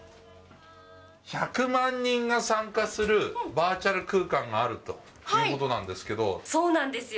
１００万人が参加するバーチャル空間があるということなんでそうなんですよ。